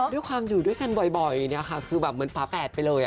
ถือความอยู่ด้วยกันบ่อยคือเหมือนฟ้าแปดไปเลย